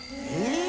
え